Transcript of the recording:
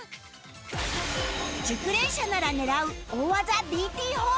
熟練者なら狙う大技 ＤＴ 砲